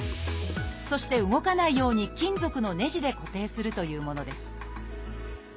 そして動かないように金属のねじで固定するというものです